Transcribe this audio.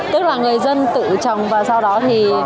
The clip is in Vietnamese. tức là người dân tự trồng và sau đó thì